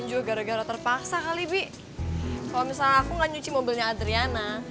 curuk banget ya adriana